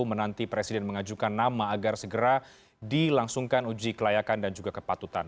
menanti presiden mengajukan nama agar segera dilangsungkan uji kelayakan dan juga kepatutan